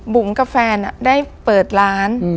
บุ๋มกับแฟนได้เปิดร้าน